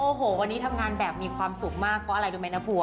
โอ้โหวันนี้ทำงานแบบมีความสุขมากเพราะอะไรรู้ไหมนะผัว